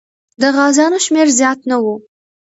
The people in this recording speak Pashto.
د غازیانو شمېر زیات نه و.